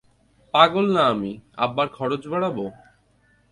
পাগল না আমি, আব্বার খরচ বাড়াবো।